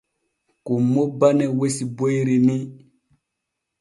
Kummo bane wesi boyri ni.